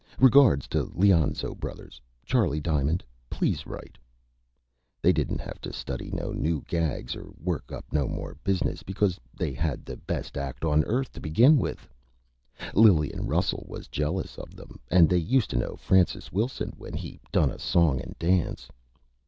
Regards to Leonzo Brothers. Charley Diamond please write. They didn't have to study no New Gags or work up no more Business, becuz they had the Best Act on Earth to begin with. Lillian Russell was jealous of them and they used to know Francis Wilson when he done a Song and Dance.